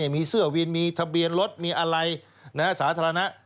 มีเสื้อวินมีทะเบียนรถมีอะไรสาธารณะ